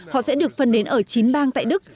họ sẽ được phân đến ở chín bang tại đức